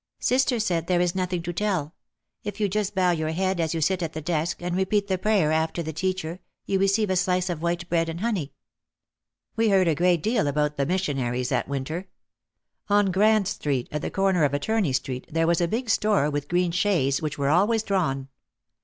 Sister said, "There is nothing to tell. If you just bow your head as you sit at the desk, and repeat the prayer after the teacher you receive a slice of white bread and honey." We heard a great deal about the missionaries that winter. On Grand Street, at the corner of Attorney Street, there was a big store with green shades which were always drawn.